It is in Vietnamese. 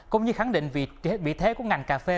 cũng như khẳng định vị thế của ngành cà phê